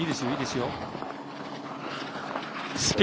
いいですよ。